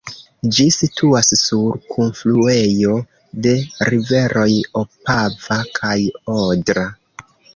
Ĝi situas sur kunfluejo de riveroj Opava kaj Odra.